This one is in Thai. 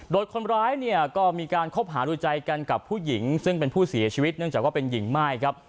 โดยคนร้ายเนี่ยก็มีการคบหาดูใจกันกับผู้หญิงซึ่งเป็นผู้เสียชีวิตเนื่องจากว่าเป็นหญิงม่ายครับ